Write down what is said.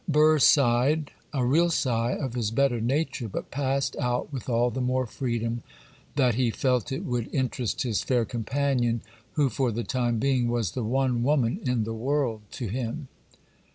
Burr sighed—a real sigh of his better nature, but passed out with all the more freedom that he felt it would interest his fair companion, who, for the time being, was the one woman in the world to him.